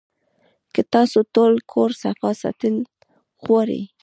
کۀ تاسو ټول کور صفا ساتل غواړئ